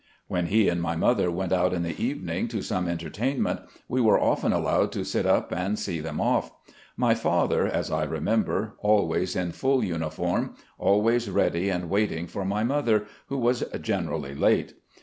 When he and my mother went out in the evening to some entertainment, we were often allowed to sit up and see them off; my father, as I remember, always in full uniform, always ready and waiting for my mother, who was generally late.